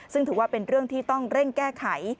ซึ่งถือว่าเป็นเรื่องที่ต้องเร่งแก้ไข